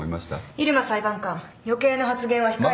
入間裁判官余計な発言は控え。